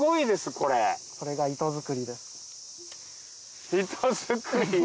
これが糸作りです。